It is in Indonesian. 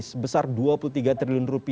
sebesar rp dua puluh tiga triliun